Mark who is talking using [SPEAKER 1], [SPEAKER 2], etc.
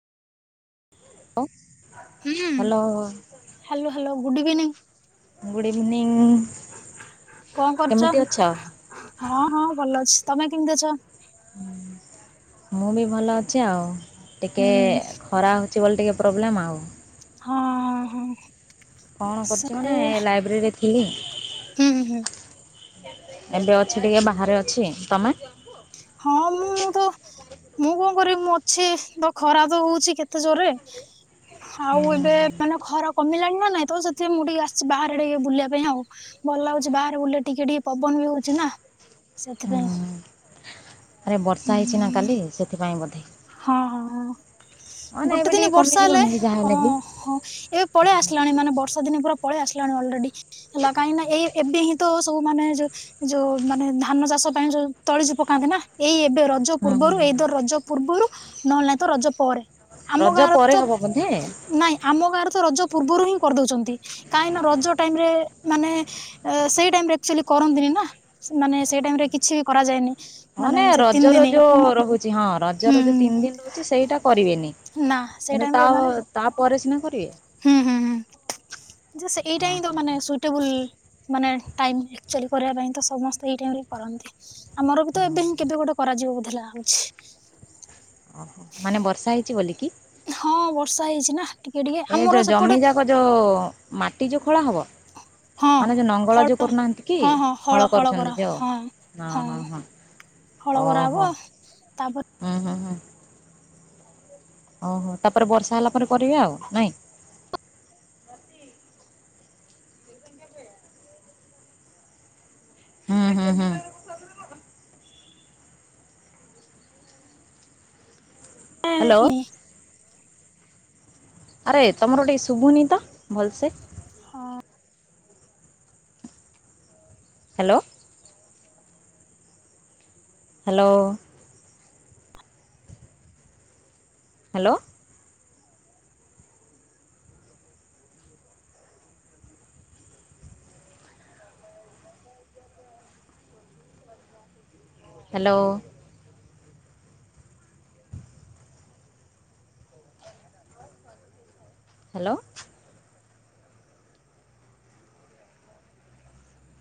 [SPEAKER 1] ହୁଁ
[SPEAKER 2] hello
[SPEAKER 1] hello hello good evening.
[SPEAKER 2] Good evening
[SPEAKER 1] କଣ କରୁଛ?
[SPEAKER 2] କେମିତି ଅଛ?
[SPEAKER 1] ହଁ ହଁ ଭଲ ଅଛି। ତମେ କେମିତି ଅଛ?
[SPEAKER 2] ମୁଁ ବି ଭଲ ଅଛି ଆଉ ଟିକେ
[SPEAKER 1] ହୁଁ
[SPEAKER 2] ଖରା ହଉଛି ବୋଲେ ଟିକେ ପ୍ରୋବ୍ଲେମ୍ ଆଉ।
[SPEAKER 1] ହଁ ହଁ।
[SPEAKER 2] କଣ କରୁଛି ମାନେ ଲାଇବ୍ରେରୀରେ ଥିଲି।
[SPEAKER 1] ହୁଁଁ ହୁଁ ହୁଁ।
[SPEAKER 2] ଏବେ ଅଛି ଟିକେ ବାହାରେ ଅଛି। ତମେ?
[SPEAKER 1] ହଁ ମୁଁ ମୁଁ ତ ମୁଁ କଣ କରିବି ମୁଁ ଅଛି ତ ଖରା ତ ହଉଛି କେତେ ଜୋରରେ।
[SPEAKER 2] ହୁଁ
[SPEAKER 1] ଆଉ
[SPEAKER 2] ହୁଁ
[SPEAKER 1] ଏବେ ମାନେ ଖରା କମିଲାଣି ନା ନାଇଁ ତ ସେଥି ପା ମୁଁ ଟିକେ ଆସିଛି ବାହାରେ ଟିକେ ବୁଲିବା ପାଇଁ ଆଉ। ଭଲ ଲାଗୁଛି ବାହାରେ ବୁଲେ ଟିକେ ଟିକେ ପବନ ବି ହଉଛି ନା
[SPEAKER 2] ହୁଁ
[SPEAKER 1] ସେଥିପାଇଁ।
[SPEAKER 2] ହୁଁ। ଆରେ ବର୍ଷା ହେଇଛି ନା କାଲି ସେଥିପାଇଁ ବୋଧେ।
[SPEAKER 1] ହଁ ହଁ ହଁ
[SPEAKER 2] ମାନେ
[SPEAKER 1] ଗୋଟେ
[SPEAKER 2] ଏବେ
[SPEAKER 1] ଦିନ
[SPEAKER 2] ଟିକେ
[SPEAKER 1] ବର୍ଷା ହେଲେ
[SPEAKER 2] କମିଯିବନି କି ଯାହା
[SPEAKER 1] ହଁ
[SPEAKER 2] ହେଲେ ବି
[SPEAKER 1] ହଁ। ଏବେ ପଳେଇ ଆସିଲାଣି ମାନେ ବର୍ଷା ଦିନ ପଳେଇ ଆସିଲାଣି ଅଲରେଡି ହେଲା କାହିଁକି ନା ଏଇ ଏବେ ହିଁ ତ ସବୁମାନେ ଯୋଉ ଯୋଉ ମାନେ ଧାନ ଚାଷ ପାଇଁ ଯୋଉ ତଳିଜ ପକାନ୍ତି ନା ଏଇ ଏବେ ରଜ ରଜ
[SPEAKER 2] ହୁଁ ହୁଁ
[SPEAKER 1] ପୂର୍ବରୁ
[SPEAKER 2] ହୁଁ
[SPEAKER 1] ଏଇଦ ରଜ ପୂର୍ବରୁ ନହେଲେ ତ ରଜ ପରେ ଆମ
[SPEAKER 2] ରଜ
[SPEAKER 1] ଗାଁରେ
[SPEAKER 2] ପରେ
[SPEAKER 1] ତ
[SPEAKER 2] ହବ ବୋଧେ
[SPEAKER 1] ନାଇଁ ଆମ ଗାଁରେ ତ ରଜ ପୂର୍ବରୁ ହିଁ କରିଦଉଛନ୍ତି କାହିଁକି ନା ରଜ ଟାଇମରେ ମାନେ ସେଇ ଟାଇମରେ ଅକ୍ଚୁଆଲି କରନ୍ତିନି ନା ମାନେ ସେଇ ଟାଇମରେ କିଛି ବି କରାଯାଏନି।
[SPEAKER 2] ନ
[SPEAKER 1] ମାନେ
[SPEAKER 2] ହନେ
[SPEAKER 1] ସେ ତିନି
[SPEAKER 2] ରଜର
[SPEAKER 1] ଦିନ
[SPEAKER 2] ଯୋଉ ରହୁଛି ହଁ
[SPEAKER 1] ହୁଁ
[SPEAKER 2] ରଜର ଯୋଉ ତିନି ଦିନ ରହୁଛି ସେଇଟା କରିବେନି
[SPEAKER 1] ନା ସେଇ
[SPEAKER 2] କିନ୍ତୁ
[SPEAKER 1] ଟାଇମ
[SPEAKER 2] ତା
[SPEAKER 1] ରେ ମାନେ
[SPEAKER 2] ତାପରେ ସିନା କରିବେ।
[SPEAKER 1] ହୁଁ ହୁଁ ହୁଁ ଯେ ସେ ଏଇଟା ହିଁ ତ ମାନେ ସୁ ସୁଇଟେବୁଲ ମାନେ ଟାଇମ୍ ଆକଚୁଆଲି କରିବା ପାଇଁ ତ ସମସ୍ତେ ଏଇ କରନ୍ତି ଆମର ବି
[SPEAKER 2] ହଁ
[SPEAKER 1] ତ ଏବେ ହିଁ କେବେ ଗୋଟେ କରାଯିବ ବୋଧେ ଲାଗୁଛି।
[SPEAKER 2] ଓହୋ ମାନେ ବର୍ଷା ହେଇଛି ବୋଲି କି?
[SPEAKER 1] ହଁ ବର୍ଷା ହେଇଛି ନା ଟିକେ ଟିକେ ଆମର ସେପଟେ
[SPEAKER 2] ତ ମାଟି ଯୋଉ ଖୋଳା ହେବ।
[SPEAKER 1] ହଁ
[SPEAKER 2] ମାନେ ଯୋଉ ନଙ୍ଗଳ
[SPEAKER 1] ହଳ
[SPEAKER 2] ଯୋଉ କରୁନାହାନ୍ତି କି
[SPEAKER 1] ହଁ ହଁ
[SPEAKER 2] ହଳ କରୁଛନ୍ତି
[SPEAKER 1] କରା
[SPEAKER 2] ଯୋଉ।
[SPEAKER 1] ହଁ।
[SPEAKER 2] ହଁ ହଁ ହଁ
[SPEAKER 1] ହଳ
[SPEAKER 2] ଓହୋ
[SPEAKER 1] କରାହବ
[SPEAKER 2] ହୁଁ ହୁଁ ହୁଁ। ଓହୋ ତାପରେ ବର୍ଷା ହେଲା ପରେ କରିବେ ଆଉ ନାଇଁ। ହୁଁ ହୁଁ ହୁଁ।
[SPEAKER 1] ଏ
[SPEAKER 2] ହ୍ୟାଲୋ
[SPEAKER 1] ଇ।
[SPEAKER 2] ଆରେ ତମର ଟିକେ ଶୁଭୁନି ତ ଭଲସେ।
[SPEAKER 1] ହଁ।
[SPEAKER 2] Hello. Hello. Hello. Hello. Hello.